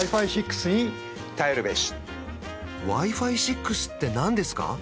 Ｗｉ−Ｆｉ６って何ですか？